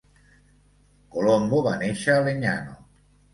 Colombo va néixer a Legnano.